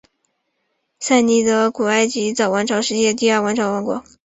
塞涅德古埃及早王朝时期第二王朝国王。